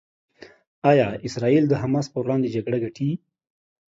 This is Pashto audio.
ایا اسرائیل د حماس پر وړاندې جګړه ګټي؟